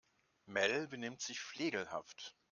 Mel benimmt sich flegelhaft.